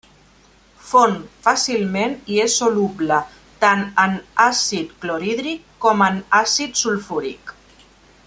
Fon fàcilment i és soluble tant en àcid clorhídric com en àcid sulfúric.